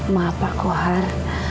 maaf pak kohar